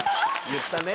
言ったね。